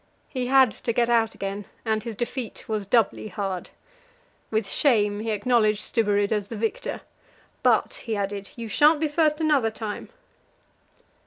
He had to get out again, and his defeat was doubly hard. With shame he acknowledged Stubberud as the victor; "but," he added, "you shan't be first another time."